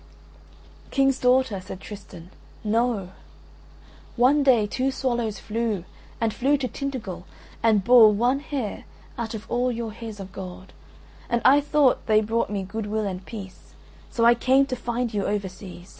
"King's daughter," said Tristan, "No. … One day two swallows flew, and flew to Tintagel and bore one hair out of all your hairs of gold, and I thought they brought me good will and peace, so I came to find you over seas.